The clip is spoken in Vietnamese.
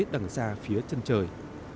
đang ra phía chân trời